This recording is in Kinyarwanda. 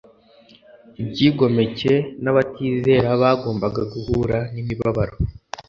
Ibyigomeke n'abatizera bagombaga guhura n'imibabaro